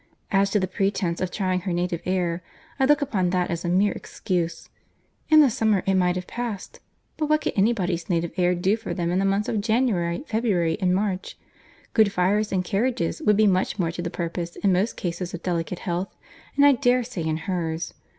As to the pretence of trying her native air, I look upon that as a mere excuse.—In the summer it might have passed; but what can any body's native air do for them in the months of January, February, and March? Good fires and carriages would be much more to the purpose in most cases of delicate health, and I dare say in her's.